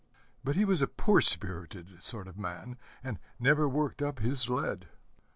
But he was a poor spirited sort of man, and never worked up his lead.